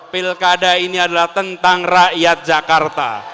pilkada ini adalah tentang rakyat jakarta